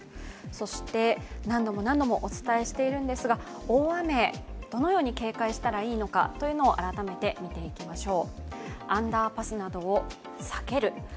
何度も何度もお伝えしているんですが、大雨、どのように警戒したらいいのかというのを改めて見ていきましょう。